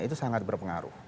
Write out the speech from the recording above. itu sangat berpengaruh